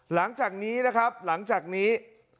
หลังจากนี้นะครับหลังจากนี้